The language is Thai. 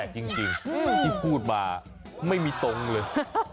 จริงที่พูดมาไม่มีตรงเลย